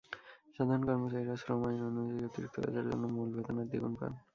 সাধারণ কর্মচারীরা শ্রম আইন অনুযায়ী অতিরিক্ত কাজের জন্য মূল বেতনের দ্বিগুণ পান।